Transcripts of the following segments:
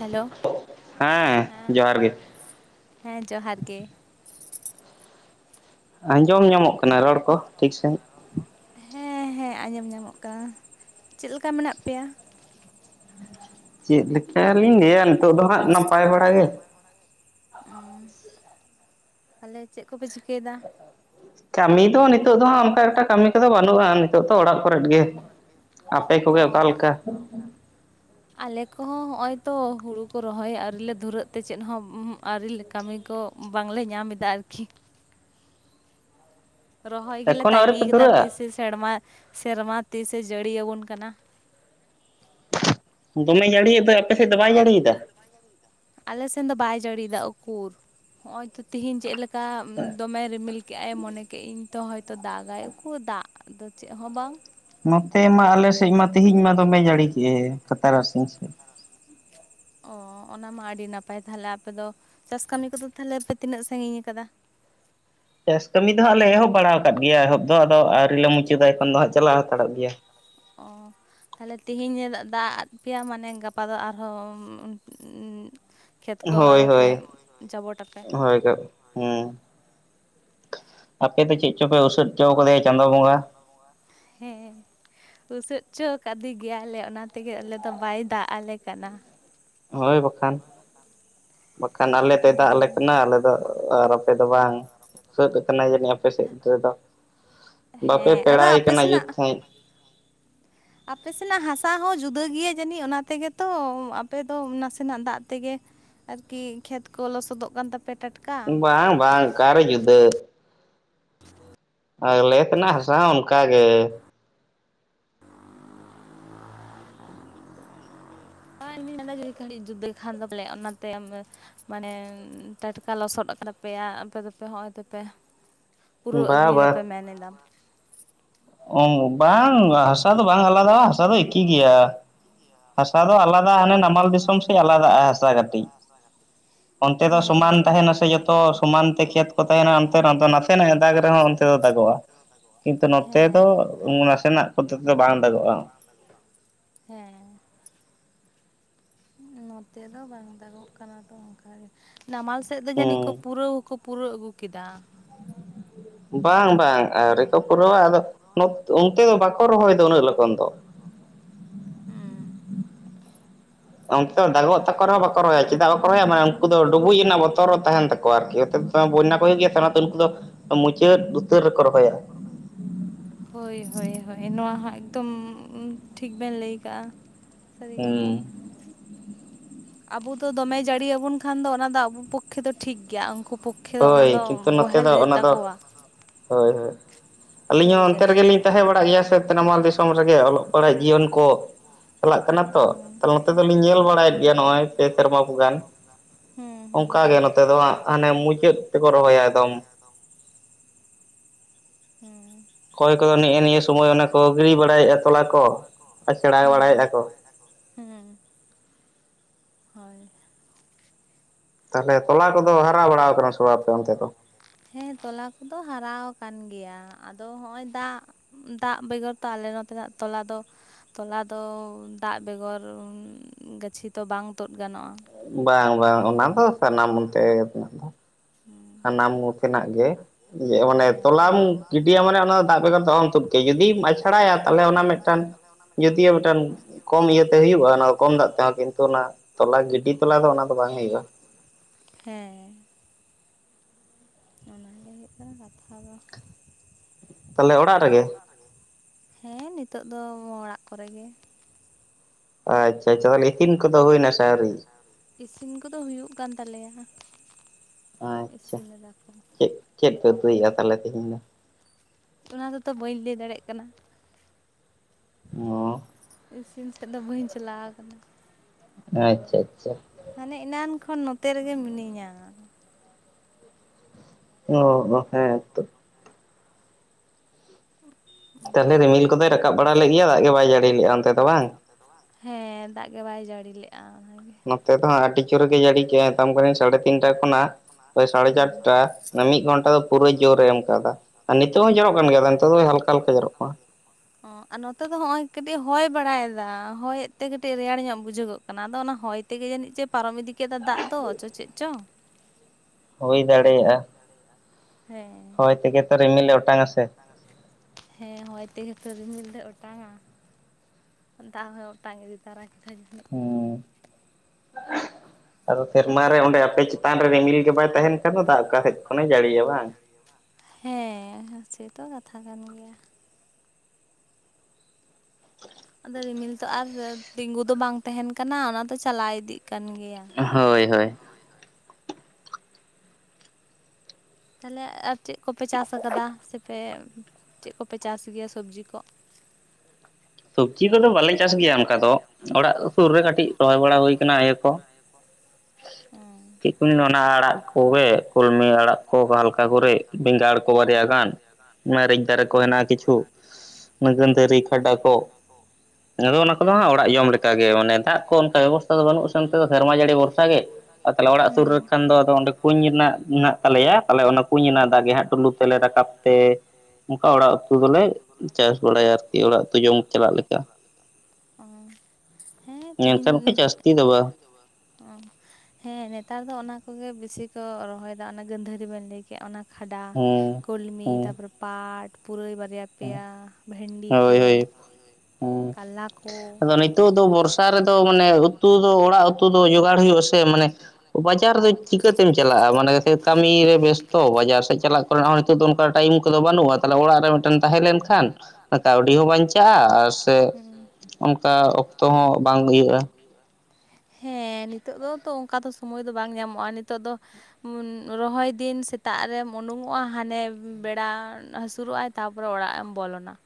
Hello [inaudible] ᱦᱮᱸ ᱡᱚᱦᱟᱨ ᱜᱮ ᱟᱸᱡᱚᱢ ᱧᱟᱢᱚᱜ ᱠᱟᱱᱟ ᱨᱚᱲ ᱠᱚ ᱴᱷᱤᱠ ᱥᱟᱹᱦᱤᱡ? ᱦᱮᱸ ᱦᱮᱸ ᱟᱸᱡᱚᱢ ᱧᱟᱢᱚᱜ ᱠᱟᱱᱟ ᱪᱮᱫ ᱞᱮᱠᱟ ᱢᱮᱱᱟᱜ ᱯᱮᱭᱟ? ᱪᱮᱫ ᱞᱮᱠᱟᱞᱤᱧ ᱞᱟᱹᱭᱟ ᱱᱤᱛᱚᱜ ᱫᱚ ᱦᱟᱸᱜ ᱱᱟᱯᱟᱭ ᱵᱟᱲᱟ ᱜᱮ ᱚ ᱛᱟᱦᱞᱮ ᱪᱮᱫ ᱠᱚᱯᱮ ᱪᱤᱠᱟᱹᱭ ᱫᱟ? ᱠᱟᱹᱢᱤ ᱫᱚ ᱱᱤᱛᱚᱜ ᱫᱚ ᱦᱟᱸᱜ ᱚᱱᱠᱟ ᱮᱴᱟ ᱠᱟᱹᱢᱤ ᱠᱚᱫᱚ ᱵᱟᱹᱱᱩᱜᱼᱟ ᱱᱤᱛᱚᱜ ᱫᱚ ᱚᱲᱟᱜ ᱠᱚᱨᱮᱜ ᱜᱮ ᱟᱯᱮ ᱠᱚᱜᱮ ᱚᱠᱟ ᱞᱮᱠᱟ? ᱟᱞᱮ ᱠᱚᱦᱚᱸ ᱦᱚᱜᱚᱭ ᱛᱚ ᱦᱩᱲᱩ ᱠᱚ ᱨᱚᱦᱚᱭ ᱟᱹᱣᱨᱤ ᱫᱷᱩᱨᱟᱹᱜ ᱛᱮ ᱪᱮᱫ ᱦᱚᱸ ᱩᱸᱦᱩᱜ ᱟᱣᱨᱤ ᱞᱮ ᱠᱟᱹᱢᱤ ᱠᱚ ᱵᱟᱝᱞᱮ ᱧᱟᱢ ᱮᱫᱟ ᱟᱨᱠᱤ ᱨᱚᱦᱚᱭ ᱜᱮᱞᱮ ᱛᱟᱸᱜᱤ ᱠᱟᱫᱟ ᱛᱤᱥᱮ ᱥᱮᱲᱢᱟ ᱥᱮᱨᱢᱟ ᱛᱤᱥᱮ ᱡᱟᱹᱲᱤᱭᱟᱵᱚᱱ ᱠᱟᱱᱟ ᱫᱚᱢᱮ ᱡᱟᱹᱲᱤᱭᱮᱫ ᱫᱚ ᱟᱯᱮ ᱥᱮᱫ ᱫᱚ ᱵᱟᱭ ᱡᱟᱹᱲᱤᱭᱮᱫᱟ? ᱟᱞᱮ ᱥᱮᱫ ᱫᱚ ᱵᱟᱭ ᱡᱟᱹᱲᱤᱭ ᱫᱟ ᱩᱠᱩᱨ ᱦᱚᱸᱜᱼᱚᱭ ᱛᱚ ᱛᱤᱦᱤᱧ ᱪᱮᱫ ᱞᱮᱠᱟ ᱫᱚᱢᱮ ᱨᱤᱢᱤᱞ ᱠᱮᱜ ᱟᱭ ᱢᱚᱱᱮ ᱠᱮᱜᱤᱧ ᱛᱚ ᱦᱚᱭᱛᱚ ᱫᱟᱜᱟᱭ ᱩᱠᱩᱨ ᱫᱟᱜ ᱫᱚ ᱪᱮᱫ ᱦᱚᱸ ᱵᱟᱝ ᱱᱚᱛᱮ ᱢᱟ ᱟᱞᱮ ᱥᱮᱫ ᱢᱟ ᱛᱤᱦᱤᱧ ᱢᱟ ᱫᱚᱢᱮ ᱡᱟᱹᱲᱤ ᱠᱮᱜ ᱮ ᱠᱟ ᱛᱟᱨᱥᱤᱧ ᱥᱮᱫ ᱚ ᱚᱱᱟᱢᱟ ᱟᱹᱰᱤ ᱱᱟᱯᱟᱭ ᱛᱟᱦᱚᱞᱮ ᱟᱯᱮ ᱫᱚ ᱪᱟᱥ ᱠᱟᱹᱢᱤ ᱠᱚᱫᱚ ᱛᱟᱦᱞᱮ ᱯᱮ ᱛᱤᱱᱟᱹᱜ ᱥᱟᱺᱜᱤᱧ ᱟᱠᱟᱫᱟ? ᱪᱟᱥ ᱠᱟᱹᱢᱤ ᱫᱚ ᱦᱟᱸᱜ ᱞᱮ ᱮᱦᱚᱵ ᱵᱟᱲᱟ ᱟᱠᱟᱫ ᱜᱮᱭᱟ ᱮᱦᱚᱵ ᱫᱚ ᱟᱫᱚ ᱟᱹᱣᱨᱤᱞᱮ ᱞᱮ ᱢᱩᱪᱟᱹᱫᱟ ᱮᱠᱷᱚᱱ ᱫᱚ ᱦᱟᱸᱜ ᱪᱟᱞᱟᱣ ᱦᱟᱛᱟᱲᱚᱜ ᱜᱮᱭᱟ᱾ ᱚ ᱛᱟᱦᱞᱮ ᱛᱤᱦᱤᱧ ᱮ ᱫᱟᱜ ᱟᱫ ᱯᱮᱭᱟ ᱢᱟᱱᱮ ᱜᱟᱯᱟ ᱫᱚ ᱟᱨᱦᱚᱸ ᱩ ᱠᱷᱮᱛ ᱠᱚ ᱟᱨᱚ ᱯᱮ ᱡᱟᱵᱚᱴᱟᱯᱮ ᱦᱳᱭ ᱡᱟ ᱦᱮ ᱟᱯᱮ ᱫᱚ ᱪᱮᱫ ᱪᱚᱯᱮ ᱩᱥᱟᱹᱫ ᱪᱚ ᱟᱠᱟ ᱫᱮᱭᱟ ᱪᱟᱸᱫᱚ ᱵᱚᱸᱜᱟ? ᱦᱮᱸ ᱩᱥᱟᱹᱫ ᱚᱪᱚ ᱠᱟᱫᱤ ᱜᱮᱭᱟᱞᱮ ᱚᱱᱟ ᱛᱮᱜᱮ ᱟᱞᱮ ᱫᱚ ᱵᱟᱭ ᱫᱟᱜ ᱟᱞᱮ ᱠᱟᱱᱟ ᱦᱳᱭ ᱵᱟᱠᱷᱟᱱ ᱵᱟᱠᱷᱟᱱ ᱟᱞᱮ ᱫᱚᱭ ᱫᱟᱜ ᱟᱞᱮ ᱠᱟᱱᱟ ᱟᱞᱮ ᱫᱚ ᱟᱨ ᱟᱯᱮ ᱫᱚ ᱵᱟᱝ ᱩᱥᱟᱹᱛ ᱠᱟᱱᱟᱭ ᱡᱟᱹᱱᱤᱡ ᱟᱯᱮ ᱥᱮᱫ ᱨᱮᱫᱚ ᱦᱮᱸ ᱟᱫᱚ ᱟᱯᱮ ᱥᱮᱱᱟᱜ ᱟᱯᱮ ᱥᱮᱱᱟᱜ ᱦᱟᱥᱟ ᱦᱚᱸ ᱡᱩᱫᱟᱹ ᱜᱮᱭᱟ ᱡᱟᱹᱱᱤᱡ ᱚᱱᱟ ᱛᱮᱜᱮ ᱛᱚ ᱟᱯᱮ ᱫᱚ ᱱᱟᱥᱮᱱᱟᱜ ᱫᱟᱜ ᱛᱮᱜᱮ ᱟᱨᱠᱤ ᱠᱷᱮᱛ ᱠᱚ ᱞᱚᱥᱚᱫᱚᱜ ᱠᱟᱱ ᱛᱟᱯᱮᱭᱟ ᱴᱟᱴ ᱵᱟᱝ ᱵᱟᱝ ᱠᱟᱨᱮ ᱡᱩᱫᱟᱹ ᱟᱞᱮ ᱥᱮᱱᱟᱜ ᱦᱟᱥᱟ ᱦᱚ ᱚᱱᱠᱟ ᱜᱮ ᱵᱟᱝ ᱤᱧ ᱫᱚᱧ ᱢᱮᱱᱫᱟ ᱠᱷᱟᱲᱤᱡ ᱡᱩᱫᱟᱹ ᱠᱷᱟᱱ ᱫᱚ ᱯᱟᱞᱮ ᱚᱱᱟᱛᱮ ᱢᱟᱱᱮ ᱴᱟᱴᱠᱟ ᱞᱚᱥᱚᱫ ᱟᱠᱟ ᱫᱟᱯ ᱯᱮᱭᱟᱜ ᱟᱯᱮ ᱫᱚᱯᱮ ᱦᱚᱭ ᱛᱚᱯᱮ ᱯᱩᱨᱟᱹᱣ ᱟᱹᱜᱩᱭ ᱫᱟᱯᱮ ᱢᱮᱱᱮ ᱮᱫᱟ ᱚᱜ ᱵᱟᱝ ᱦᱟᱥᱟ ᱫᱚ ᱵᱟᱝ ᱟᱞᱟᱫᱟ ᱦᱟᱥᱟ ᱫᱚ ᱮᱠᱤ ᱜᱮᱭᱟ ᱦᱟᱥᱟ ᱫᱚ ᱟᱞᱟᱠ ᱦᱟᱥᱟ ᱫᱚ ᱟᱞᱟᱫᱟ ᱦᱟᱱᱮ ᱱᱟᱢᱟᱞ ᱫᱤᱥᱚᱢ ᱥᱮ ᱟᱞᱟᱫᱟᱜᱼᱟ ᱦᱟᱥᱟ ᱠᱷᱟᱛᱤᱨ᱾ ᱚᱱᱛᱮ ᱫᱚ ᱥᱚᱢᱟᱱ ᱛᱟᱦᱮᱱᱟ ᱥᱮ ᱡᱚᱛᱚ ᱥᱚᱢᱟᱱ ᱛᱮ ᱠᱷᱮᱛ ᱠᱚ ᱛᱟᱦᱮᱱᱟ ᱚᱱᱛᱮ ᱨᱮ ᱟᱫᱚ ᱱᱟᱥᱮᱱᱟᱜ ᱮ ᱫᱟᱜᱽ ᱨᱮᱦᱚᱸ ᱚᱱᱛᱮ ᱫᱚ ᱫᱟᱜᱚᱜᱼᱟ᱾ ᱠᱤᱱᱛᱩ ᱱᱚᱛᱮ ᱫᱚ ᱱᱟᱥᱮᱱᱟᱜ ᱠᱚᱛᱮ ᱫᱚ ᱵᱟᱝ ᱫᱟᱜᱚᱜᱼᱟ᱾ ᱦᱮᱸ ᱱᱚᱛᱮ ᱫᱚ ᱵᱟᱝ ᱫᱟᱜᱚᱜ ᱠᱟᱱᱟ ᱛᱚ ᱚᱱᱠᱟᱜᱮ ᱱᱟᱢᱟᱞ ᱥᱮᱜ ᱫᱚ ᱡᱟᱹᱱᱤᱡ ᱠᱚ ᱯᱩᱨᱟᱹᱣ ᱦᱚᱠᱚ ᱯᱩᱨᱟᱹ ᱟᱹᱜᱩ ᱠᱮᱫᱟ᱾ ᱵᱟᱝ ᱵᱟᱝ ᱟᱹᱣᱨᱤ ᱠᱚ ᱯᱩᱨᱟᱹᱣᱟ ᱟᱫᱚ ᱱᱚᱛ ᱚᱱᱛᱮ ᱫᱚ ᱵᱟᱠᱚ ᱨᱚᱦᱚᱭ ᱫᱚ ᱩᱱᱟᱹᱜ ᱞᱚᱜᱚᱱ ᱫᱚ᱾ ᱦᱩᱸ ᱚᱱᱛᱮ ᱫᱚ ᱫᱟᱜᱚᱜ ᱛᱟᱠᱚ ᱨᱮᱦᱚᱸ ᱵᱟᱠᱚ ᱨᱚᱦᱚᱭᱟ ᱪᱮᱫᱟᱜ ᱵᱟᱠᱚ ᱨᱚᱦᱚᱭᱟ ᱢᱟᱱᱮ ᱩᱱᱠᱩ ᱫᱚ ᱰᱩᱵᱩᱡ ᱨᱮᱱᱟᱜ ᱵᱚᱛᱚᱨ ᱦᱚᱸ ᱛᱟᱦᱮᱱ ᱛᱟᱠᱚᱣᱟ ᱟᱨᱠᱤ ᱵᱚᱧᱱᱟ ᱠᱚ ᱦᱩᱭᱩᱜ ᱜᱮᱭᱟ ᱥᱮ ᱚᱱᱟᱛᱮ ᱩᱱᱠᱩ ᱫᱚ ᱢᱩᱪᱟᱹᱫ ᱩᱛᱟᱹᱨ ᱨᱮᱠᱚ ᱨᱚᱦᱚᱭᱟ᱾ ᱦᱳᱭ ᱦᱳᱭ ᱦᱳᱭ ᱱᱚᱣᱟ ᱦᱟᱸᱜ ᱮᱠᱫᱚᱢ ᱴᱷᱤᱠ ᱵᱮᱱ ᱞᱟᱹᱭ ᱠᱟᱜᱟ᱾ ᱥᱟᱹᱨᱤ ᱜᱮᱛᱚ᱾ ᱟᱵᱚ ᱫᱚ ᱫᱚᱢᱮᱭ ᱡᱟᱹᱲᱤ ᱟᱵᱚᱱ ᱠᱷᱟᱱ ᱫᱚ ᱚᱱᱟ ᱫᱚ ᱟᱵᱚ ᱯᱚᱠᱠᱷᱮ ᱫᱚ ᱴᱷᱤᱠ ᱜᱮᱭᱟ ᱩᱱᱠᱩ ᱯᱚᱠ ᱠᱷᱮ ᱫᱚ ᱚᱱᱟᱫᱚ ᱵᱚᱦᱮᱞ ᱤᱫᱤᱜ ᱛᱟᱠᱚᱣᱟ᱾ ᱦᱳᱭ ᱦᱳᱭ ᱟᱹᱞᱤᱧ ᱦᱚᱸ ᱚᱱᱛᱮ ᱨᱮᱜᱮᱞᱤᱧ ᱛᱟᱦᱮᱸ ᱵᱟᱲᱟᱜ ᱜᱮᱭᱟ ᱥᱮ ᱛᱮ ᱱᱟᱢᱟᱞ ᱫᱤᱥᱚᱢ ᱨᱮᱜᱮ ᱚᱞᱚᱜ ᱯᱟᱲᱦᱟᱜ ᱡᱤᱭᱚᱱ ᱠᱚ ᱪᱟᱞᱟᱜ ᱠᱟᱱᱟ ᱛᱚ ᱛᱚ ᱱᱚᱛᱮ ᱫᱚᱞᱤᱧ ᱧᱮᱞ ᱵᱟᱲᱟᱭᱮᱫ ᱜᱮᱭᱟ ᱱᱚᱭᱚᱭ ᱯᱮ ᱥᱮᱨᱢᱟ ᱠᱚ ᱜᱟᱱ ᱚᱝᱠᱟ ᱜᱮ ᱱᱚᱛᱮ ᱫᱚ ᱦᱟᱸᱜ ᱦᱟᱱᱮ ᱢᱩᱪᱟᱹᱫ ᱛᱮᱠᱚ ᱨᱚᱦᱚᱭᱟ ᱮᱠᱫᱚᱢ᱾ [inaudible] [inaudible] ᱚᱠᱚᱭ ᱠᱚᱫᱚ ᱱᱮᱜᱮ ᱱᱤᱭᱟᱹ ᱥᱩᱢᱚᱭ ᱚᱱᱟ ᱠᱚ ᱜᱤᱲᱤ ᱵᱟᱲᱟᱭᱮᱜᱼᱟ ᱛᱚᱞᱟ ᱠᱚ ᱟᱪᱷᱲᱟ ᱵᱟᱲᱟᱭ ᱮᱜᱟ ᱠᱚ᱾ ᱦᱩᱸ ᱦᱳᱭ᱾ ᱛᱟᱦᱚᱞᱮ ᱛᱚᱞᱟ ᱠᱚᱫᱚ ᱦᱟᱨᱟ ᱵᱟᱲᱟᱣ ᱠᱟᱱᱟ ᱥᱮ ᱵᱟᱝ ᱟᱯᱮ ᱚᱱᱛᱮ ᱫᱚ? ᱦᱮᱸ ᱛᱚᱞᱟ ᱠᱚᱫᱚ ᱦᱟᱨᱟ ᱣᱟᱠᱟᱱ ᱜᱮᱭᱟ ᱟᱫᱚ ᱦᱚᱜᱚᱭ ᱫᱟᱜ ᱫᱟᱜ ᱵᱮᱜᱚᱨ ᱛᱚ ᱟᱞᱮ ᱱᱚᱛᱮᱱᱟᱜ ᱛᱚᱞᱟ ᱫᱚ ᱛᱚᱞᱟ ᱫᱚ ᱫᱟᱜ ᱵᱮᱜᱚᱨ ᱜᱟᱹᱪᱷᱤ ᱫᱚ ᱵᱟᱝ ᱛᱚᱫ ᱜᱟᱱᱚᱜᱼᱟ᱾ ᱵᱟᱝ ᱵᱟᱝ ᱚᱱᱟ ᱫᱚ ᱥᱟᱱᱟᱢ ᱚᱱᱛᱮ ᱥᱟᱱᱟᱢ ᱧᱩ ᱛᱮᱱᱟᱜ ᱜᱮ᱾ ᱢᱟᱱᱮ ᱛᱚᱞᱟᱢ ᱜᱤᱰᱤᱭᱟ ᱢᱟᱱᱮ ᱚᱱᱟ ᱫᱚ ᱫᱟᱜ ᱵᱮᱜᱟᱨ ᱫᱚ ᱚᱦᱚᱢ ᱛᱩᱫ ᱠᱮᱭᱟ ᱡᱩᱫᱤᱢ ᱟᱪᱷᱲᱟᱭᱟ ᱛᱟᱦᱚᱞᱮ ᱚᱱᱟ ᱢᱤᱜᱴᱟᱝ ᱡᱩᱫᱤᱭᱳ ᱢᱤᱜᱴᱟᱱ ᱠᱚᱢ ᱤᱭᱟᱹᱛᱮ ᱦᱩᱭᱩᱜᱼᱟ ᱚᱱᱟ ᱫᱚ ᱠᱚᱢ ᱫᱟᱜ ᱛᱮᱦᱚᱸ ᱠᱤᱱᱛᱩ ᱚᱱᱟ ᱛᱚᱞᱟ ᱜᱤᱰᱤ ᱛᱚᱞᱟ ᱫᱚ ᱚᱱᱟ ᱫᱚ ᱵᱟᱝ ᱦᱩᱭᱩᱜᱼᱟ᱾ ᱦᱮᱸ [inaudible] ᱦᱮᱸ ᱱᱤᱛᱚᱜ ᱫᱚ ᱚᱲᱟᱜ ᱠᱚᱨᱮ ᱜᱮ᱾ ᱟᱪᱪᱷᱟ ᱟᱪᱪᱷᱟ ᱛᱟᱦᱚᱞᱮ ᱤᱥᱤᱱ ᱠᱚᱫᱚ ᱦᱩᱭ ᱮᱱᱟ ᱥᱮ ᱟᱹᱣᱨᱤ? ᱤᱥᱤᱱ ᱠᱚᱫᱚ ᱦᱩᱭᱩᱜ ᱠᱟᱱ ᱛᱟᱞᱮᱭᱟ ᱦᱟᱜ ᱤᱥᱤᱱ ᱮᱫᱟ ᱠᱚ᱾ ᱪᱮᱫ ᱯᱮ ᱩᱛᱩᱭᱮᱜ-ᱟ ᱛᱟᱦᱚᱞᱮ ᱛᱤᱦᱤᱧ? ᱚᱱᱟ ᱜᱮᱛᱚ ᱵᱟᱹᱧ ᱞᱟᱹᱭ ᱫᱟᱲᱮᱜ ᱠᱟᱱᱟ᱾ ᱚ ᱤᱥᱤᱱ ᱴᱷᱮᱱ ᱫᱚ ᱵᱟᱹᱧ ᱪᱟᱞᱟᱣ ᱠᱟᱱᱟ᱾ ᱟᱪᱪᱷᱟ ᱟᱪᱪᱷᱟ᱾ ᱦᱟᱱᱮ ᱮᱱᱟᱱ ᱠᱷᱚᱱ ᱱᱚᱛᱮ ᱨᱮᱜᱮ ᱢᱤᱱᱟᱹᱧᱟ᱾ ᱚ ᱦᱮᱸ ᱛᱚ᱾ ᱛᱟᱦᱚᱞᱮ ᱨᱤᱢᱤᱞ ᱠᱚᱫᱚᱭ ᱨᱟᱠᱟᱵ ᱵᱟᱲᱟ ᱞᱮᱷ ᱜᱮᱭᱟ ᱫᱟᱜ ᱜᱮ ᱵᱟᱭ ᱡᱟᱹᱲᱤ ᱞᱮᱜᱟ ᱚᱱᱛᱮ ᱫᱚ ᱵᱟᱝ? ᱦᱮᱸ ᱫᱟᱜ ᱜᱮ ᱵᱟᱭ ᱡᱟᱹᱲᱤ ᱞᱮᱜᱟ ᱚᱱᱟᱜᱮ᱾ ᱱᱚᱛᱮ ᱫᱚᱦᱟᱸᱜ ᱟᱹᱰᱤ ᱡᱳᱨ ᱜᱮ ᱡᱟᱹᱲᱤ ᱠᱮᱜᱟ ᱢᱮᱛᱟᱢ ᱠᱟᱹᱱᱟᱹᱧ ᱥᱟᱲᱮ ᱛᱤᱱᱴᱟ ᱠᱷᱚᱱᱟᱜ ᱥᱟᱲᱮ ᱪᱟᱨᱴᱴᱟ ᱢᱤᱫ ᱜᱷᱚᱱᱴᱟ ᱫᱚ ᱯᱩᱨᱟᱹ ᱡᱳᱨᱮ ᱮᱢ ᱟᱠᱟᱫᱟ ᱾ ᱱᱚᱛ ᱫᱚ ᱦᱟᱞᱠᱟ ᱦᱟᱞᱠᱟ ᱡᱟᱨᱚᱜ ᱠᱟᱱᱟ ᱾ [unintelligible] ᱟᱨ ᱱᱚᱛᱮ ᱫᱚ ᱦᱚᱸᱜ ᱚᱭ ᱠᱟᱹᱴᱤᱡ ᱦᱚᱭ ᱵᱟᱲᱟᱭᱮᱫᱟ ᱦᱚᱭᱮᱜ ᱛᱮ ᱠᱟᱹᱴᱤᱡ ᱨᱮᱭᱟᱲ ᱧᱚᱜ ᱵᱩᱡᱷᱟᱹᱜᱚᱜ ᱠᱟᱱᱟ, ᱟᱫᱚ ᱚᱱᱟ ᱦᱚᱭ ᱛᱮᱜᱮ ᱡᱟᱹᱱᱤᱡ ᱡᱟᱹᱱᱤᱡ ᱪᱚᱸ ᱯᱟᱨᱚᱢ ᱤᱫᱤ ᱠᱮᱫᱟ ᱫᱟᱜ ᱫᱚ ᱪᱚᱸ ᱪᱮᱫ ᱪᱚᱸ ᱾ ᱦᱩᱭ ᱫᱟᱲᱮᱭᱟᱜᱼᱟ ᱾ ᱦᱚᱭ ᱛᱮᱜᱮ ᱛᱚ ᱨᱤᱢᱤᱞᱮ ᱚᱴᱟᱝ ᱟ ᱥᱮ ᱾ ᱦᱮᱸ ᱦᱚᱭ ᱛᱮᱜᱮ ᱛᱚ ᱨᱤᱢᱤᱞ ᱫᱚ ᱚᱴᱟᱝ ᱟ ᱾ ᱫᱟᱜ ᱦᱚᱸ ᱚᱴᱟᱝ ᱤᱫᱤ ᱛᱟᱨᱟ ᱠᱮᱫᱟ ᱡᱩ ᱦᱩᱸ [inaudible] ᱟᱫᱚ ᱥᱮᱨᱢᱟ ᱨᱮ ᱚᱸᱰᱮ ᱟᱯᱮ ᱪᱮᱛᱟᱱ ᱨᱮ ᱨᱤᱢᱤᱞ ᱜᱮ ᱵᱟᱭ ᱛᱟᱦᱮᱱ ᱠᱟᱱᱟ ᱫᱚ ᱫᱟᱜ ᱚᱠᱟ ᱥᱮᱫ ᱠᱷᱚᱱᱮ ᱡᱟᱹᱲᱤᱭᱟ ᱵᱟᱝ? ᱦᱮᱸ ᱥᱮᱛᱚ ᱠᱟᱛᱷᱟ ᱠᱟᱱ ᱜᱮᱭᱟ ᱾ ᱟᱫᱚ ᱨᱤᱢᱤᱞ ᱛᱚ ᱟᱨ ᱛᱤᱸᱜᱩ ᱫᱚ ᱵᱟᱝ ᱛᱟᱦᱮᱱ ᱠᱟᱱᱟ ᱚᱱᱟ ᱫᱚ ᱪᱟᱞᱟᱣ ᱤᱫᱤᱜ ᱠᱟᱱ ᱜᱮᱭᱟ ᱾ ᱦᱳᱭ ᱦᱳᱭ ᱾ ᱛᱟᱦᱚᱞᱮ ᱟᱨ ᱪᱮᱫ ᱠᱚᱯᱮ ᱪᱟᱥ ᱟᱠᱟᱫᱟ ᱥᱮᱯᱮ ᱪᱮᱫ ᱠᱚᱯᱮ ᱪᱟᱥ ᱜᱮᱭᱟ ᱥᱚᱵᱽᱡᱤ ᱠᱚ? ᱥᱚᱵᱽᱡᱤ ᱠᱚᱫᱚ ᱵᱟᱞᱮ ᱪᱟᱥ ᱜᱮᱭᱟ ᱚᱱᱠᱟ ᱫᱚ ᱚᱲᱟᱜ ᱥᱩᱨ ᱨᱮ ᱠᱟᱹᱴᱤᱡ ᱨᱚᱦᱚᱭ ᱵᱟᱲᱟ ᱦᱩᱭ ᱠᱟᱱᱟ ᱤᱭᱟᱹ ᱠᱚ ᱾ ᱪᱮᱫ ᱠᱚᱧᱫᱚ ᱚᱱᱟ ᱟᱲᱟᱜ ᱠᱚᱜᱮ ᱠᱚᱞᱢᱤ ᱟᱲᱟᱜ ᱠᱚ ᱦᱟᱞᱠᱟ ᱠᱚᱨᱮ ᱾ ᱵᱮᱸᱜᱟᱲ ᱠᱚ ᱵᱟᱨᱭᱟ ᱜᱟᱱ ᱢᱟᱹᱨᱤᱪ ᱫᱟᱨᱮ ᱠᱚ ᱦᱮᱱᱟᱜᱼᱟ ᱠᱤᱪᱷᱩ ᱾ ᱞᱟᱹᱱ ᱫᱟᱹᱨᱤ ᱠᱷᱰᱟ ᱠᱚ ᱟᱫᱚ ᱚᱱᱟ ᱫᱚ ᱦᱟᱸᱜ ᱚᱲᱟᱜ ᱡᱚᱢ ᱞᱮᱠᱟᱜᱮ ᱢᱟᱱᱮ ᱫᱟᱜ ᱠᱚ ᱚᱱᱠᱟ ᱵᱮᱵᱚᱥᱛᱷᱟ ᱫᱚ ᱵᱟᱹᱱᱩᱜ ᱥᱮᱱᱛᱮᱚ ᱥᱮᱨᱢᱟ ᱡᱟᱹᱲᱤ ᱵᱷᱚᱨᱥᱟ ᱜᱮ‌ ᱾ ᱛᱟᱦᱚᱞᱮ ᱚᱲᱟᱜ ᱥᱩᱨ ᱨᱮᱠᱷᱟᱱ ᱫᱚ ᱟᱫᱚ ᱚᱸᱰᱮ ᱠᱩᱧ ᱨᱮᱱᱟᱜ ᱦᱮᱱᱟᱜ ᱛᱟᱞᱮᱭᱟ ᱛᱟᱦᱚᱞᱮ ᱚᱱᱟ ᱠᱩᱧ ᱨᱮᱱᱟᱜ ᱫᱟᱜ ᱜᱮ ᱦᱟᱸᱜ ᱴᱩᱞᱩ ᱛᱮᱞᱮ ᱨᱟᱠᱟᱵ ᱛᱮ ᱚᱱᱠᱟ ᱚᱲᱟᱜ ᱩᱛᱩ ᱫᱚᱞᱮ ᱪᱟᱥ ᱵᱟᱲᱟᱭᱟ ᱟᱨᱠᱤ ᱚᱲᱟᱜ ᱩᱛᱩ ᱡᱚᱢᱛᱮ ᱚ ᱦᱮᱸ ᱛᱮᱦᱮᱧ ᱚ ᱦᱮᱸ ᱱᱮᱛᱟᱨ ᱫᱚ ᱚᱱᱟ ᱠᱚᱜᱮ ᱵᱤᱥᱤ ᱠᱚ ᱨᱚᱦᱚᱭᱮᱫᱟ ᱚᱱᱟ ᱜᱟᱹᱫᱷᱟᱹᱨᱤ ᱵᱮᱱ ᱞᱟᱹᱭ ᱠᱮᱫᱮᱜ ᱚᱱᱟ ᱠᱚ ᱠᱷᱟᱰᱟ, ᱠᱩᱞᱢᱤ, ᱛᱟᱯᱚᱨ ᱯᱟᱴ, ᱯᱩᱨᱟᱹᱭ ᱵᱟᱨᱭᱟ ᱯᱮᱭᱟ ᱵᱷᱮᱱᱰᱤ ᱠᱚ ᱾ ᱦᱮᱸ ᱟᱫᱚ ᱱᱤᱛᱳᱜ ᱫᱚ ᱵᱚᱨᱥᱟ ᱨᱮᱫᱚ ᱢᱟᱱᱮ ᱩᱛᱩ ᱫᱚ ᱚᱲᱟᱜ ᱩᱛᱩ ᱫᱚ ᱡᱚᱜᱟᱲ ᱦᱩᱭᱩᱜᱼᱟᱥᱮ ᱢᱟᱱᱮ ᱵᱟᱡᱟᱨ ᱫᱚ ᱪᱤᱠᱟᱹᱛᱮᱢ ᱪᱟᱞᱟᱜᱼᱟ ᱢᱟᱱᱮ ᱠᱟᱹᱢᱤᱮ ᱵᱮᱥᱛᱚ ᱵᱟᱡᱟᱨ ᱥᱮᱫ ᱪᱟᱞᱟᱜ ᱠᱚᱨᱮ ᱦᱚᱸ ᱱᱤᱛᱚᱜ ᱫᱚ ᱚᱱᱠᱟ ᱴᱟᱭᱤᱢ ᱠᱚᱫᱚ ᱵᱟᱹᱱᱩᱜᱼᱟ ᱛᱟᱦᱚᱞᱮ ᱚᱲᱟᱜ ᱨᱮ ᱢᱤᱫᱴᱮᱱ ᱛᱟᱦᱮᱸ ᱞᱮᱱᱠᱷᱟᱱ ᱠᱟᱹᱣᱰᱤ ᱦᱚᱸ ᱵᱟᱧᱪᱟᱜᱼᱟ ᱟᱨ ᱥᱮ ᱚᱱᱠᱟ ᱚᱠᱛᱚ ᱦᱚᱸ ᱵᱟᱝ ᱤᱭᱟᱹᱜᱼᱟ ᱾ ᱦᱮᱸ ᱱᱤᱛᱳᱜ ᱫᱚ ᱛᱚ ᱚᱱᱠᱟ ᱫᱚ ᱥᱚᱢᱚᱭ ᱫᱚ ᱵᱟᱝ ᱧᱟᱢᱚᱜᱼᱟ ᱱᱤᱛᱳᱜ ᱫᱚ ᱨᱚᱦᱚᱭ ᱫᱤᱱ ᱥᱮᱛᱟᱜ ᱨᱮᱢ ᱩᱰᱩᱠᱚᱜᱼᱟ ᱦᱟᱱᱮ ᱵᱮᱲᱟ ᱦᱟᱹᱥᱩᱨᱚᱜᱼᱟᱭ ᱛᱟᱯᱚᱨᱮ ᱚᱲᱟᱜ ᱮᱢ ᱵᱚᱞᱚᱱᱟ ᱾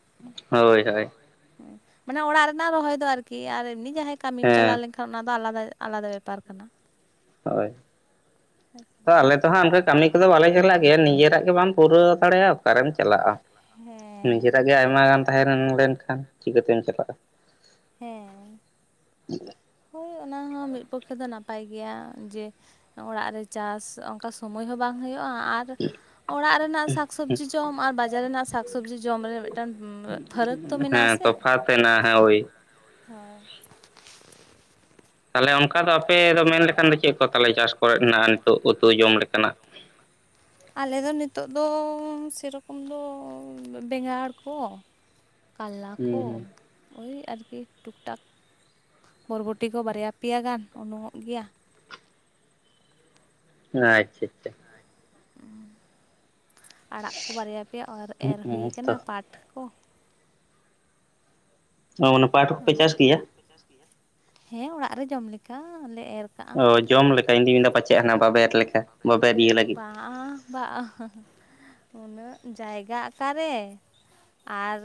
ᱦᱳᱭ ᱦᱳᱭ ᱾ ᱦ ᱢᱟᱱᱮ ᱚᱲᱟᱜ ᱨᱮᱱᱟᱜ ᱨᱚᱦᱚᱭ ᱫᱚ ᱟᱨᱠᱤ ᱟᱨ ᱮᱢᱱᱤ ᱡᱟᱦᱟᱸᱭ ᱠᱟᱹᱢᱤᱢ ᱪᱟᱞᱟᱣ ᱞᱮᱱᱠᱷᱟᱱ ᱚᱱᱟ ᱫᱚ ᱟᱞᱟᱫᱟ ᱟᱞᱟᱫᱟ ᱵᱮᱯᱟᱨ ᱠᱟᱱᱟ ᱾ ᱦᱳᱭ ᱾ ᱟᱞᱮ ᱫᱚᱦᱟᱸᱜ ᱚᱱᱠᱟ ᱠᱟᱹᱢᱤ ᱠᱚᱫᱚ ᱵᱟᱞᱮ ᱪᱟᱞᱟᱜ ᱜᱮᱭᱟ ᱱᱤᱡᱮᱨᱟᱜ ᱜᱮ ᱵᱟᱢ ᱯᱩᱨᱟᱹᱣ ᱫᱟᱲᱮᱭᱟᱜᱼᱟ ᱚᱠᱟᱨᱮᱢ ᱪᱟᱞᱟᱜᱼᱟ ᱾ ᱦᱮᱸ ᱾ ᱟᱭ ᱜᱟᱱ ᱛᱟᱦᱮᱸ ᱞᱮᱱᱠᱷᱟᱱ ᱪᱤᱠᱟᱹᱛᱮᱢ ᱪᱟᱞᱟᱜᱼᱟ? ᱦᱮᱸ ᱾ ᱦᱳᱭ ᱚᱱᱟ ᱦᱚᱸ ᱢᱤᱫ ᱯᱚᱠᱠᱷᱮ ᱫᱚ ᱱᱟᱯᱟᱭ ᱜᱮᱭᱟ ᱡᱮ ᱚᱲᱟᱜ ᱨᱮ ᱪᱟᱥ ᱚᱱᱠᱟ ᱥᱩᱢᱳᱭ ᱦᱚᱸ ᱵᱟᱝ ᱦᱩᱭᱩᱜᱭᱳᱜᱼᱟ ᱾ ᱟᱨ ᱚᱲᱟᱜ ᱨᱮᱱᱟᱜ ᱥᱟᱠᱥᱚᱵᱽᱡᱤ ᱡᱚᱢ ᱟᱨ ᱵᱟᱡᱟᱨ ᱨᱮᱱᱟᱜ ᱥᱟᱠᱥᱚᱵᱡᱤ ᱡᱚᱢ ᱨᱮ ᱢᱤᱫᱴᱟᱝ ᱢᱤᱫᱴᱟᱝ ᱯᱷᱟᱨᱟᱠ ᱛᱚ ᱢᱮᱱᱟᱜᱼᱟ ᱥᱮ ᱦᱳᱭ ᱾ ᱛᱟᱦᱚᱞᱮ ᱚᱱᱠᱟ ᱫᱚ ᱟᱯᱮ ᱫᱚ ᱢᱮᱱ ᱞᱮᱠᱷᱟᱱ ᱫᱚ ᱪᱮᱫ ᱠᱚ ᱛᱟᱦᱚᱞᱮ ᱪᱟᱥ ᱠᱚᱨᱮ ᱨᱮᱱᱟᱜ ᱱᱤᱛᱚᱜ ᱩᱛᱩ ᱡᱚᱢ ᱞᱮᱠᱟᱱᱟᱜ? ᱟᱞᱮᱫᱚ ᱱᱤᱛᱚᱜ ᱫᱚ ᱥᱮᱨᱚᱠᱚᱢ ᱫᱚ ᱵᱮᱸᱜᱟᱲ ᱠᱚ, ᱠᱟᱞᱞᱟ ᱠᱚ, ᱳᱭ ᱟᱨᱠᱤ ᱴᱩᱠᱴᱟᱠ ᱵᱚᱨᱵᱚᱴᱤ ᱠᱚ ᱵᱟᱨᱭᱟ ᱯᱮᱭᱟ ᱜᱟᱱ ᱩᱱᱩᱝᱚᱜ ᱜᱮᱭᱟ᱾ ᱟᱪᱪᱷᱟ ᱟᱪᱷᱟ ᱾ ᱟᱪᱪᱷᱟ ᱦᱩᱸ ᱾ ᱟᱲᱟᱜ ᱠᱚ ᱵᱟᱨᱭᱟ ᱯᱮᱭᱟ ᱚᱨ ᱮᱨ ᱦᱩᱭ ᱠᱟᱱᱟ ᱯᱟᱴ ᱠᱚ᱾ [unintelligible] ᱚᱱᱟ ᱠᱚ ᱜᱮ, ᱦᱮᱸ ᱚᱲᱟᱜ ᱨᱮ ᱡᱚᱢ ᱞᱮᱠᱟ ᱞᱮ ᱮᱨ ᱚ ᱡᱚᱢ ᱞᱮᱠᱟ ᱤᱧ ᱫᱩᱧ ᱢᱮᱱᱫᱟ ᱯᱟᱪᱮᱜ ᱦᱟᱱᱟ ᱵᱟᱵᱮᱨ ᱵᱟᱝ ᱵᱟᱝ ᱾ ᱩᱱᱟᱹᱜ ᱡᱟᱭᱜᱟ ᱚᱠᱟᱨᱮ? ᱟᱨᱻ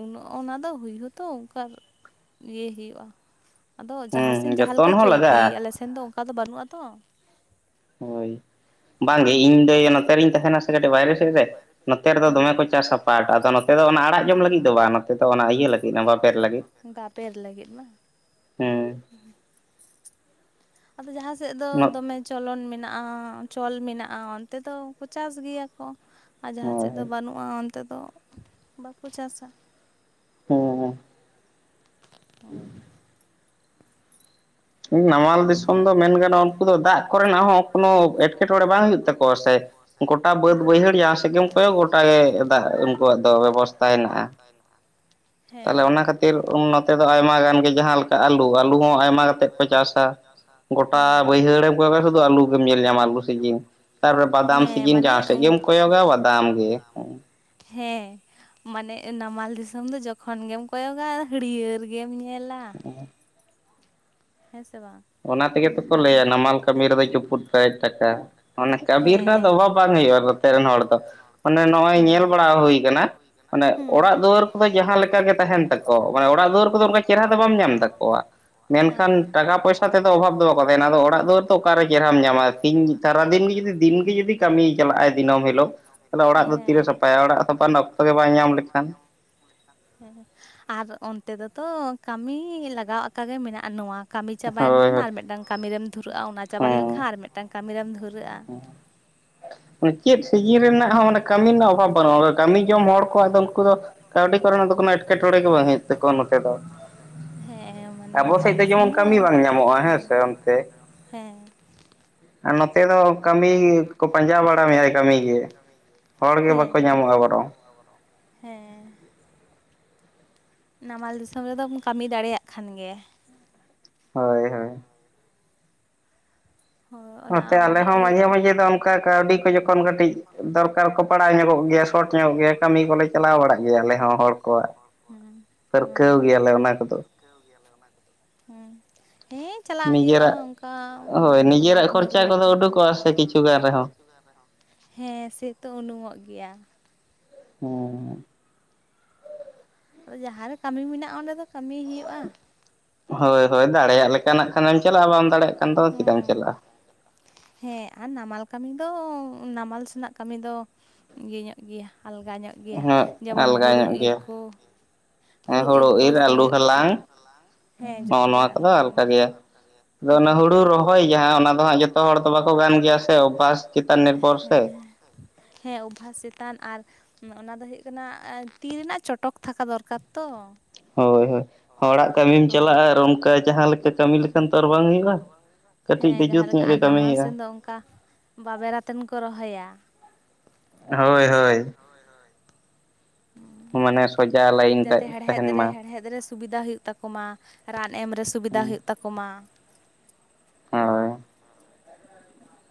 ᱩᱱᱟᱹᱜ ᱚᱱᱟ ᱫᱚ ᱦᱩᱭ ᱦᱚᱛᱚ ᱚᱱᱠᱟ ᱤᱭᱟᱹᱭ ᱦᱩᱭᱩᱜᱼᱟ, ᱟᱫᱚ ᱡᱟᱦᱟᱸᱥᱮᱱ ᱡᱟᱦᱟᱸ ᱞᱮᱠᱟ ᱪᱚᱞᱛᱤ ᱟᱞᱮ ᱥᱮᱱ ᱫᱚ ᱚᱱᱠᱟ ᱫᱚ ᱵᱟᱹᱱᱩᱜᱼᱟ ᱛᱚ᱾ ᱦᱳᱭ ᱾ ᱵᱟᱝᱜᱮ ᱤᱧ ᱫᱚ ᱤᱭᱟᱹ ᱱᱚᱛᱮ ᱨᱤᱧ ᱛᱟᱦᱮᱱᱟ ᱥᱮ ᱠᱟᱹᱴᱤᱡ ᱵᱟᱭᱨᱮ ᱥᱮᱫ ᱨᱮ ᱱᱚᱛᱮ ᱨᱮᱫᱚ ᱫᱚᱢᱮ ᱠᱚ ᱪᱟᱥᱟ ᱯᱟᱴ, ᱟᱫᱚ ᱱᱚᱛᱮ ᱫᱚ ᱚᱱᱟ ᱟᱲᱟᱜ ᱡᱚᱢ ᱞᱟᱹᱜᱤᱫ ᱫᱚ ᱵᱟᱝ ᱱᱚᱛᱮ ᱫᱚ ᱚᱱᱟ ᱤᱭᱟᱹ ᱞᱟᱹᱜᱤᱫ ᱵᱟᱯᱮᱨ ᱞᱟᱹᱜᱤᱫ᱾ ᱦᱮᱸ ᱾ ᱟᱫᱚ ᱡᱟᱦᱟᱸ ᱥᱮᱫ ᱫᱚ ᱫᱚᱢᱮ ᱪᱚᱞᱚᱱ ᱢᱮᱱᱟᱜᱼᱟ ᱪᱚᱞ ᱢᱮᱱᱟᱜᱼᱟ ᱚᱱᱛᱮ ᱫᱚ ᱪᱟᱥ ᱜᱮᱭᱟ ᱠᱚ, ᱟᱨ ᱡᱟᱦᱟᱸ ᱥᱮᱫ ᱫᱚ ᱵᱟᱹᱱᱩᱜᱼᱟ ᱚᱱᱛᱮ ᱫᱚ ᱵᱟᱠᱚ ᱪᱟᱥᱟ᱾ ᱦᱮᱸ ᱦᱮᱸ ᱾ ᱦᱳᱭ ᱾ ᱦᱮᱸ ᱱᱟᱢᱟᱞ ᱫᱤᱥᱚᱢ ᱫᱚ ᱢᱮᱱ ᱜᱟᱱᱚᱜ ᱩᱱᱠᱩ ᱫᱚ ᱫᱟᱜ ᱠᱚᱨᱮᱱᱟᱜ ᱦᱚᱸ ᱠᱳᱱᱳ ᱮᱸᱴᱠᱮᱴᱚᱬᱮ ᱵᱟᱝ ᱦᱩᱭᱩᱜ ᱛᱟᱠᱚᱣᱟ ᱥᱮ! ᱜᱚᱴᱟ ᱵᱟᱹᱫᱽ ᱵᱟᱹᱭᱦᱟᱹᱲ ᱡᱟᱦᱟᱸ ᱥᱮᱜ ᱮᱢ ᱠᱚᱭᱚᱜ ᱜᱚᱴᱟ ᱜᱮ ᱫᱟᱜ ᱩᱱᱠᱩᱣᱟᱜ ᱫᱚ ᱵᱮᱵᱚᱥᱛᱷᱟ ᱦᱮᱱᱟᱜᱼᱟ᱾ ᱛᱟᱦᱚᱞᱮ ᱚᱱᱟ ᱠᱷᱟᱹᱛᱤᱨ ᱩᱱ ᱱᱚᱛᱮ ᱫᱚ ᱟᱭᱢᱟ ᱜᱟᱱ ᱜᱮ ᱡᱟᱦᱟᱸ ᱞᱮᱠᱟ ᱟᱹᱞᱩ ᱟᱹᱞᱩ ᱦᱚᱸ ᱟᱭᱢᱟ ᱠᱟᱛᱮᱫ ᱠᱚ ᱪᱟᱥᱟ᱾ ᱪᱟᱥᱟ, ᱦᱮᱸ ᱜᱚᱴᱟ ᱵᱟᱹᱭᱦᱟᱹᱲ ᱠᱚᱨᱮ ᱥᱩᱫᱷᱩ ᱟᱞᱩ ᱜᱮᱢ ᱧᱮᱞ ᱧᱟᱢᱟ᱾ ᱛᱟᱨᱯᱚᱨᱮ ᱵᱟᱫᱟᱢ ᱥᱤᱡᱤᱱ ᱡᱟᱦᱟᱸᱥᱮᱫ ᱜᱮᱢ ᱠᱚᱭᱚᱜᱟ ᱵᱟᱫᱟᱢ ᱜᱮ᱾ ᱦᱮᱸ ᱾ ᱢᱟᱱᱮ ᱱᱟᱢᱟᱞ ᱫᱤᱥᱚᱢ ᱫᱚ ᱡᱚᱠᱷᱚᱱ ᱜᱮᱢ ᱠᱚᱭᱚᱜᱟ ᱦᱟᱹᱲᱭᱟᱹᱨ ᱜᱮᱢ ᱧᱮᱞᱟ᱾ ᱦᱮᱸ ᱥᱮ ᱵᱟᱝ! ᱚᱱᱟ ᱛᱮᱜᱮ ᱛᱚᱠᱚ ᱞᱟᱹᱭᱟ ᱱᱟᱢᱟᱞ ᱠᱟᱹᱢᱤ ᱨᱮᱫᱚᱭ ᱪᱩᱯᱩᱫ ᱯᱮᱨᱮᱡ ᱴᱟᱠᱟ ᱾ ᱚᱱᱟ ᱠᱟᱹᱢᱤ ᱨᱮᱱᱟᱜ ᱫᱚ ᱚᱵᱷᱟᱵᱽ ᱵᱟᱝ ᱦᱩᱭᱩᱜᱼᱟ ᱛᱮ ᱨᱮᱱ ᱦᱚᱲ ᱫᱚ, ᱢᱟᱱᱮ ᱱᱚᱜᱼᱚᱭ ᱧᱮᱞ ᱵᱟᱲᱟ ᱦᱩᱭ ᱟᱠᱟᱱᱟ ᱢᱟᱱᱮ ᱚᱲᱟᱜ ᱫᱩᱣᱟᱹᱨ ᱡᱟᱦᱟᱸ ᱞᱮᱠᱟᱜᱮ ᱛᱟᱦᱮᱱ ᱛᱟᱠᱚᱣᱟ ᱾ ᱢᱟᱱᱮ ᱚᱲᱟᱜ ᱫᱩᱣᱟᱹᱨ ᱠᱚᱫᱚ ᱚᱱᱠᱟ ᱪᱮᱦᱨᱟ ᱫᱚ ᱵᱟᱢ ᱧᱟᱢ ᱛᱟᱠᱚᱣᱟ᱾ ᱢᱮᱱᱠᱷᱟᱱ ᱴᱟᱠᱟ ᱯᱚᱭᱥᱟ ᱛᱮᱫᱚ ᱚᱵᱷᱟᱵ ᱫᱚ ᱠᱚ ᱛᱟᱦᱮᱱᱟ ᱟᱫᱚ ᱚᱲᱟᱜ ᱫᱩᱣᱟᱹᱨ ᱫᱚ ᱚᱠᱟᱨᱮ ᱪᱮᱦᱨᱟᱢ ᱧᱟᱢᱟ, ᱥᱤᱧ ᱥᱟᱨᱟᱫᱤᱱ ᱜᱮ ᱡᱩᱫᱤ ᱫᱤᱱ ᱜᱮ ᱡᱩᱫᱤ ᱠᱟᱹᱢᱤ ᱪᱟᱞᱟᱜᱼᱟᱭ ᱫᱤᱹᱢ ᱦᱤᱞᱳᱜ᱾ ᱛᱟᱦᱚᱞᱮ ᱚᱲᱟᱜ ᱫᱚ ᱛᱤᱨᱮ ᱥᱟᱯᱷᱟᱭᱟ ᱚᱲᱟᱜ ᱥᱟᱯᱷᱟ ᱚᱠᱛᱚ ᱜᱮ ᱵᱟᱭ ᱧᱟᱢ ᱞᱮᱠᱷᱟᱱ? ᱦᱮᱸ ᱾ ᱟᱨ ᱚᱱᱛᱮ ᱫᱮᱛᱚ ᱠᱟᱹᱢᱤ ᱞᱟᱜᱟᱣ ᱟᱠᱟᱜ ᱜᱮ ᱢᱮᱱᱟᱜᱼᱟ ᱱᱚᱣᱟ ᱠᱟᱹᱢᱤ ᱪᱟᱵᱟᱭᱮᱱ ᱠᱷᱟᱱ ᱟᱨ ᱢᱤᱫᱴᱟᱝ ᱠᱟᱹᱢᱤᱨᱮᱢ ᱫᱷᱩᱨᱟᱹᱜᱼᱟ, ᱚᱱᱟ ᱪᱟᱵᱟ ᱞᱮᱱᱠᱷᱟᱱ ᱟᱨ ᱢᱤᱫᱴᱟᱝ ᱠᱟᱹᱢᱤᱨᱮᱢ ᱫᱷᱩᱨᱟᱹᱜᱼᱟ᱾ ᱚᱱᱮ ᱪᱮᱫ ᱥᱤᱡᱤᱱ ᱨᱮᱱᱟᱜ ᱦᱚᱸ ᱢᱟᱱᱮ ᱠᱟᱹᱢᱤ ᱨᱮᱱᱟᱜ ᱚᱵᱷᱟᱵᱽ ᱵᱟᱹᱱᱩᱜᱼᱟ ᱠᱟᱹᱢᱤ ᱡᱚᱢ ᱦᱚᱲ ᱠᱚᱣᱟᱜ ᱫᱚ ᱩᱱᱠᱩ ᱫᱚ [inaudible] ᱦᱮᱸ ᱾ ᱢᱟᱱᱮ ᱱᱟᱢᱟᱞ ᱫᱤᱥᱚᱢ ᱫᱚ ᱦᱮᱸ ᱟᱨ ᱱᱚᱛ ᱟᱨ ᱱᱚᱛᱮ ᱫᱚ ᱠᱟᱹᱢᱤ ᱠᱚ ᱯᱟᱸᱡᱟ ᱵᱟᱲᱟᱭᱟ ᱠᱟᱹᱢᱤ ᱦᱮᱸ, ᱦᱚᱲ ᱜᱮ ᱵᱟᱠᱚ ᱧᱟᱢᱚᱜᱟ ᱟ ᱵᱚᱨᱚᱝ, ᱦᱮᱸ ᱾ ᱱᱟᱢᱟᱞ ᱫᱤᱥᱚᱢ ᱨᱮᱫᱚᱢ ᱠᱟᱢᱤ ᱫᱟᱲᱮᱭᱟᱜ ᱠᱷᱟᱱ ᱜᱮ ᱾ ᱦᱳᱭ ᱦᱳᱭ ᱾ ᱱᱚᱛᱮ ᱟᱞᱮ ᱦᱚᱸ ᱢᱟᱡᱷᱮ ᱢᱟᱡᱷᱮ ᱫᱚ ᱚᱱᱠᱟ ᱠᱟᱹᱣᱰᱤ ᱠᱚ ᱡᱚᱠᱷᱚᱱ ᱠᱟᱹᱴᱤᱡ ᱫᱚᱨᱠᱟᱨ ᱠᱚ ᱫᱚᱨᱠᱟᱨ ᱠᱚ ᱯᱟᱲᱟᱶ ᱧᱚᱜᱚᱜ ᱜᱮᱭᱟ ᱥᱚᱴ ᱧᱚᱜ ᱜᱮᱭᱟ ᱠᱟᱹᱢᱤ ᱠᱚᱞᱮ ᱪᱟᱞᱟᱣ ᱵᱟᱲᱟᱜ ᱜᱮᱭᱟ ᱟᱞᱮ ᱦᱚᱸ ᱦᱚᱲ ᱠᱚ ᱦᱩᱸ ᱯᱟᱹᱨᱠᱟᱹᱣ ᱜᱮᱭᱟᱞᱮ ᱚᱱᱟ ᱠᱚᱫᱚ ᱾ [unintelligible] ᱦᱮᱸ ᱦᱮᱸ ᱪᱟᱞᱟᱜ ᱦᱩᱭᱩᱜᱼᱟ ᱚᱝᱠᱟ ᱱᱤᱡᱮᱨᱟᱜ ᱠᱷᱚᱨᱪᱟ ᱠᱚᱫᱚ ᱩᱰᱩᱠᱚᱜᱼᱟ ᱥᱮ ᱠᱤᱪᱷᱩ ᱜᱟᱱ ᱨᱮᱦᱚᱸ [inaudible] ᱦᱮᱸ ᱥᱮᱸᱛᱚ ᱩᱱᱩᱢᱚᱜ ᱜᱮᱭᱟ ᱾ ᱚᱸ ᱾ ᱟᱫᱚ ᱡᱟᱦᱟᱸ ᱨᱮ ᱠᱟᱹᱢᱤ ᱢᱮᱱᱟᱜᱼᱟ ᱚᱸᱰᱮ ᱫᱚ ᱠᱟᱹᱢᱤ ᱦᱩᱭᱩᱜᱼᱟ ᱾ ᱦᱳᱭ ᱦᱳᱭ ᱫᱟᱲᱮᱭᱟᱜ ᱞᱮᱠᱟᱱᱟᱜ ᱠᱷᱟᱱᱮᱢ ᱪᱟᱞᱟᱜᱼᱟ ᱵᱟᱢ ᱫᱟᱲᱮᱭᱟᱜ ᱠᱷᱟᱱ ᱫᱚ ᱪᱮᱫᱟᱜ ᱮᱢ ᱪᱟᱞᱟᱜᱼᱟ ᱾ ᱦᱮᱸ ᱟᱨ ᱱᱟᱢᱟᱞ ᱠᱟᱹᱢᱤ ᱫᱚ ᱱᱟᱢᱟᱞ ᱥᱮᱱᱟᱜ ᱠᱟᱹᱢᱤ ᱫᱚ ᱤᱭᱟᱹ ᱧᱚᱜ ᱜᱮᱭᱟ ᱟᱞᱜᱟ ᱧᱚᱜ ᱦᱮᱸᱜ ᱟᱞᱜᱟ ᱧᱚᱜ ᱜᱮᱭᱟ ᱦᱮᱸ ᱦᱳᱲᱳ ᱤᱨ ᱟᱞᱩ ᱦᱟᱞᱟᱝ ᱦᱚᱜ ᱱᱚᱣᱟ ᱠᱚᱫᱚ ᱦᱟᱞᱠᱟ ᱜᱮᱭᱟ ᱟᱫᱚ ᱚᱱᱟ ᱦᱩᱲᱩ ᱨᱚᱦᱚᱭ ᱡᱟᱦᱟᱸ ᱚᱱᱟ ᱫᱚ ᱦᱟᱸᱜ ᱡᱚᱛᱚ ᱦᱚᱲ ᱫᱚ ᱵᱟᱠᱚ ᱜᱟᱱ ᱜᱮᱭᱟ ᱥᱮ ᱚᱵᱵᱷᱟᱥ ᱪᱮᱛᱟᱱ ᱱᱤᱨᱵᱚᱨ ᱥᱮ ᱦᱮᱸ ᱚᱵᱵᱷᱟᱥ ᱪᱮᱛᱟᱱ ᱟᱨ ᱦᱩᱸ ᱚᱱᱟ ᱫᱚ ᱦᱩᱭᱩᱜ ᱠᱟᱱᱟ ᱛᱤ ᱨᱮᱱᱟᱜ ᱪᱚᱴᱚᱠ ᱛᱷᱟᱠᱟ ᱫᱚᱨᱠᱟᱨ ᱛᱚ ᱦᱳᱭ ᱦᱳᱭ ᱦᱚᱲᱟᱜ ᱠᱟᱹᱢᱤᱢ ᱪᱟᱞᱟᱜᱼᱟ ᱟᱨ ᱚᱱᱠᱟ ᱡᱟᱦᱟᱸ ᱞᱮᱠᱟ ᱠᱟᱹᱢᱤ ᱞᱮᱠᱷᱟᱱ ᱛᱚ ᱟᱨ ᱵᱟᱝ ᱦᱩᱭᱩᱜᱼᱟ ᱾ ᱦᱮᱸ ᱡᱟᱦᱟᱸ ᱞᱮᱠᱟ ᱟᱨ ᱱᱟᱢᱟᱞ ᱥᱮᱱ ᱫᱚ ᱚᱝᱠᱟ ᱵᱟᱵᱮᱨ ᱟᱛᱮᱱ ᱠᱚ ᱨᱚᱦᱚᱭᱟ ᱾ ᱦᱳᱭ ᱦᱳᱭ ᱾ ᱡᱟᱛᱮ ᱦᱮᱲᱦᱮᱫ ᱨᱮ ᱦᱮᱲᱦᱮᱫ ᱨᱮ ᱥᱩᱵᱤᱫᱟ ᱦᱩᱭᱩᱜ ᱛᱟᱠᱚᱢᱟ ᱨᱟᱱ ᱮᱢ ᱨᱮ ᱥᱩᱵᱤᱫᱟ ᱦᱩᱭᱩᱜ ᱛᱟᱠᱚᱢᱟ ᱾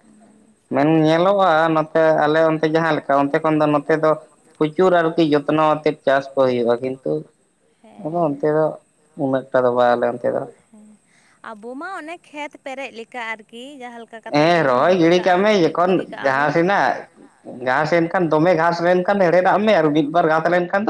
ᱚᱱᱟ ᱜᱮ ᱢᱮᱱ ᱧᱮᱞᱚᱜᱼᱟ ᱱᱚᱛ ᱞᱚᱜ-ᱟ ᱱᱚᱛᱮ ᱟᱞᱮ ᱚᱱᱛᱮ ᱡᱟᱦᱟᱸ ᱞᱮᱠᱟ ᱚᱱᱛᱮ ᱠᱷᱚᱱ ᱫᱚ ᱱᱚᱛᱮ ᱫᱚ ᱯᱚᱪᱩᱨ ᱟᱨᱠᱤ ᱡᱚᱛᱱᱚ ᱟᱛᱮᱫ ᱪᱟᱥ ᱫᱚ ᱦᱩᱭᱩᱜᱼᱟ ᱾ ᱦᱮᱸ ᱾ ᱛᱮᱫᱚ ᱩᱱᱟᱹᱜᱴᱟ ᱫᱚ ᱵᱟ ᱟᱞᱮ ᱚᱱᱛᱮ ᱫᱚ ᱾ ᱦᱮᱸ, ᱟᱵᱚ ᱢᱟ ᱚᱱᱮ ᱠᱷᱮᱛ ᱯᱮᱨᱮᱡ ᱞᱮᱠᱟ ᱟᱨᱠᱤ ᱡᱟᱦᱟᱸ ᱞᱮ ᱠᱟ ᱠᱟᱛᱮᱫ ᱜᱮᱵᱚᱱ ᱵᱤᱫ ᱠᱟᱜᱼᱟ ᱵᱤᱫ ᱜᱤᱰᱤ ᱠᱟᱜᱼᱟ ᱵᱚᱱ ᱾ ᱦᱮᱸ ᱡᱟᱦᱟᱸ ᱥᱮᱜ ᱠᱷᱟᱱ ᱫᱚᱢᱮ ᱜᱷᱟᱥ ᱮᱱᱠᱷᱟᱱ ᱦᱮᱲᱦᱮᱫᱟᱜ ᱢᱮ ᱟᱨ ᱢᱤᱫ ᱵᱟᱨ ᱜᱷᱟᱥ ᱞᱮᱱᱠᱷᱟᱱ